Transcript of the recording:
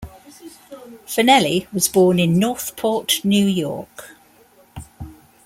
Fanelli was born in Northport, New York.